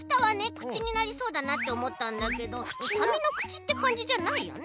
くちになりそうだなっておもったんだけどサメのくちってかんじじゃないよね。